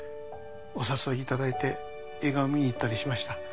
お誘いいただいて映画を見にいったりしました